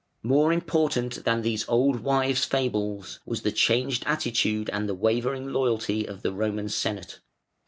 More important than these old wives' fables was the changed attitude and the wavering loyalty of the Roman Senate.